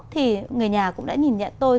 thì người nhà cũng đã nhìn nhận tôi